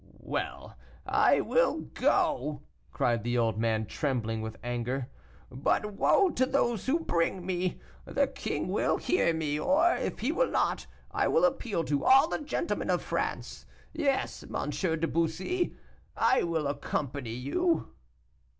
"Well, I will go," cried the old man, trembling with anger; "but woe to those who bring me. The king will hear me, or, if he will not, I will appeal to all the gentlemen of France. Yes, M. de Bussy, I will accompany you."